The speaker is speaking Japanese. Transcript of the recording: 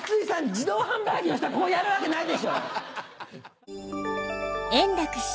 自動販売機の下こうやるわけないでしょ！